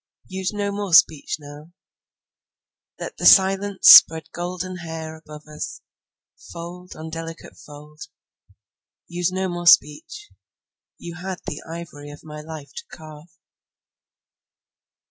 Use no more speech now; Let the silence spread gold hair above us, Fold on delicate fold. Use no more speech; You had the ivory of my life to carve.